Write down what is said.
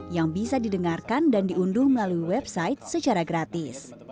yang bisa didengarkan dan diunduh melalui website secara gratis